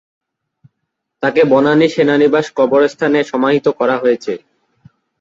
তাকে বনানী সেনানিবাস কবরস্থানে সমাহিত করা হয়েছে।